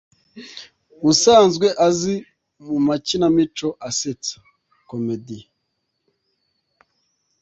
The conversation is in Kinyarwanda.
usanzwe azwi mu makinamico asetsa (comédie)